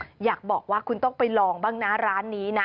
อยากบอกว่าคุณต้องไปลองบ้างนะร้านนี้นะ